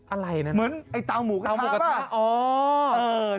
อะไรนะเหมือนไอ้เตาหมูกระทะปะออส